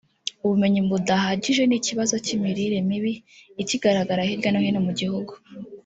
ubumenyi budahagije n’ikibazo cy’imirire mibi ikigaragara hirya no hino mu gihugu